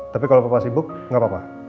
tapi kalau bapak sibuk gak apa apa